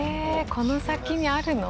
この先にあるの？